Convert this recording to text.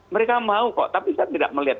mereka mau kok tapi saya tidak melihat